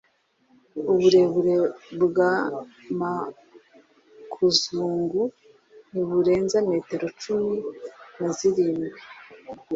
Uburebure bwa makuzungu ntiburenza metero cumi nazirindwi